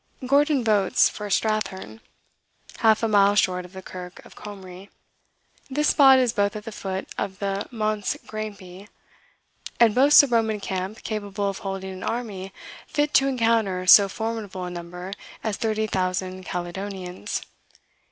Gordon votes for Strathern, "half a mile short of the Kirk of Comrie." This spot is both at the foot of the Montes Grampii, "and boasts a Roman camp capable of holding an army fit to encounter so formidable a number as thirty thousand Caledonians.